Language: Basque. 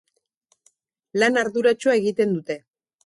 Lan arduratsua egiten dute.